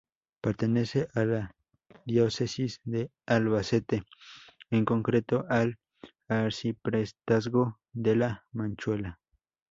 Pertenece a la Diócesis de Albacete en concreto al arciprestazgo de La Manchuela.